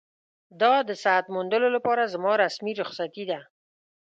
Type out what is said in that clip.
دا د صحت موندلو لپاره زما رسمي رخصتي ده.